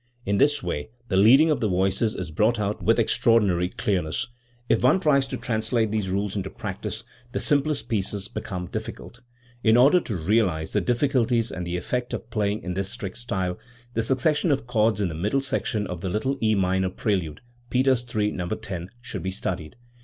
IB this way the leading of the voices is brought out with extraordinary clearness* If one tries to translate these rules into practice, the simplest pieces become difficult. XIV. The Performance of the Organ Works. In order to realise the difficulties and the effect of play ing in this strict style, the succession of chords in the middle section of the little E minor prelude (Peters III, No. 10) should be studied.